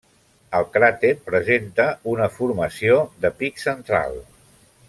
El cràter presenta una formació de pic central.